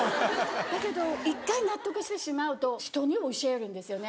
だけど一回納得してしまうと人に教えるんですよね